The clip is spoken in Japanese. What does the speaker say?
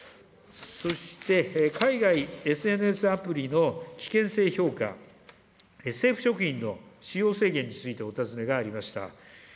そして、海外ＳＮＳアプリの危険性評価、政府職員の使用制限についてお尋ねがありました。